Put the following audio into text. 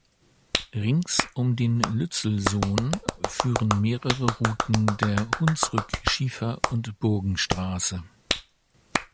Rings um den Lützelsoon führen mehrere Routen der Hunsrück Schiefer- und Burgenstraße.